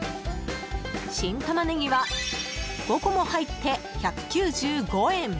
新タマネギは５個も入って１９５円。